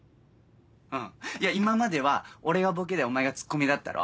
うん今までは俺がボケでお前がツッコミだったろ。